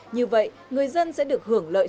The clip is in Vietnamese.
như vậy người dân sẽ được hưởng lợi